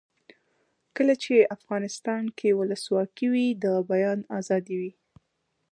کله چې افغانستان کې ولسواکي وي د بیان آزادي وي.